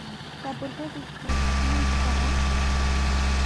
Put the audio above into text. ¿Tapurqaykiku tiyuykitaqa?